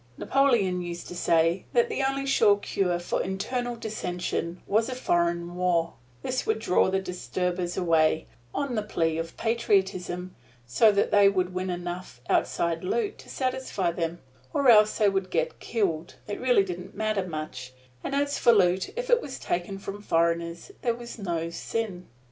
Napoleon used to say that the only sure cure for internal dissension was a foreign war: this would draw the disturbers away, on the plea of patriotism, so they would win enough outside loot to satisfy them, or else they would all get killed, it really didn't matter much; and as for loot, if it was taken from foreigners, there was no sin.